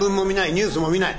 ニュースも見ない。